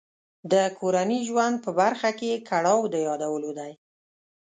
د کورني ژوند په برخه کې یې کړاو د یادولو دی.